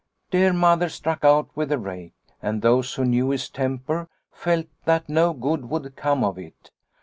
Dear Mother struck out with the rake, and those who knew his temper felt that no good would come of it.